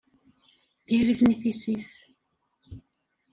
D iri-ten i tissit!